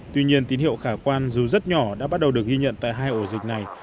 tuy nhiên tín hiệu khả quan dù rất nhỏ đã bắt đầu được ghi nhận tại hai ổ dịch này